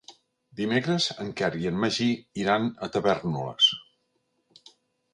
Dimecres en Quer i en Magí iran a Tavèrnoles.